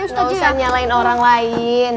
ustazah enya ng damals orang lain